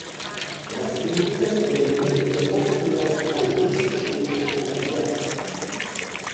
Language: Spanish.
Las críticas fueron en su mayoría positivas al mismo tiempo que negativas.